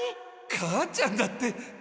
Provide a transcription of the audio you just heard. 母ちゃんだって！